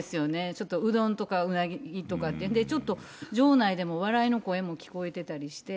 ちょっとうどんとか、うなぎとか、ちょっと場内でも笑いの声も聞こえてたりして。